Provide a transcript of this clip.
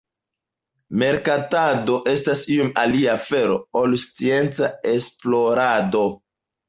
Merkatado estas iom alia afero ol scienca esplorado.